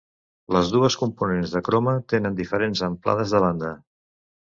Les dues components de croma tenen diferents amplades de banda.